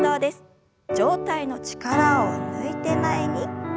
上体の力を抜いて前に。